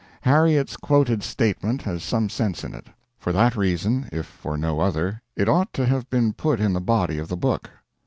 Harriet's quoted statement has some sense in it; for that reason, if for no other, it ought to have been put in the body of the book.